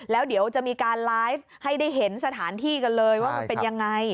แล้วเดี๋ยวจะมีการไลฟ์ให้ได้เห็นสถานที่กันเลยว่ามันเป็นยังไง